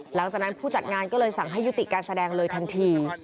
หลังจากนั้นผู้จัดงานก็เลยสั่งให้ยุติการแสดงเลยทันที